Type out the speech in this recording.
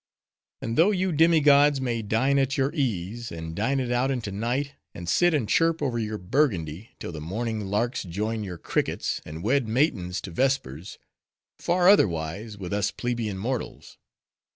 And though you demi gods, may dine at your ease; and dine it out into night: and sit and chirp over your Burgundy, till the morning larks join your crickets, and wed matins to vespers;—far otherwise, with us plebeian mortals.